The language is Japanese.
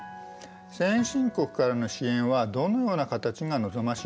先進国からの支援はどのような形が望ましいのか。